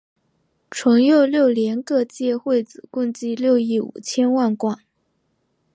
淳佑六年各界会子共计六亿五千万贯。